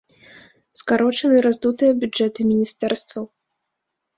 Скарочаны раздутыя бюджэты міністэрстваў.